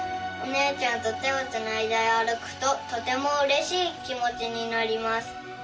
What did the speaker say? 「おねえちゃんと手をつないであるくととてもうれしいきもちになります」